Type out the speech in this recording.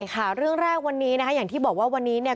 ค่ะเรื่องแรกวันนี้นะคะอย่างที่บอกว่าวันนี้เนี่ย